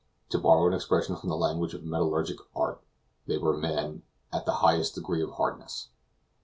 To borrow an expression from the language of metallurgic art, they were men "at the highest degree of hardness."